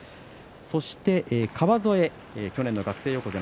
そして川副、去年の学生横綱。